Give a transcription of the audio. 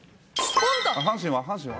阪神は？